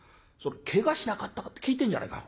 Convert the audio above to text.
けがしなかったかって聞いてんじゃねえか。